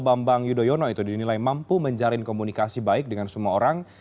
bambang yudhoyono itu dinilai mampu menjalin komunikasi baik dengan semua orang